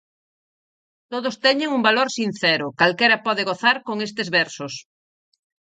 Todos teñen un valor sincero, calquera pode gozar con estes versos.